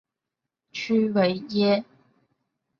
屈维耶。